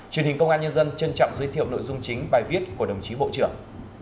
truyền hình công an nhân dân trân trọng giới thiệu nội dung chính bài viết của đồng chí bộ trưởng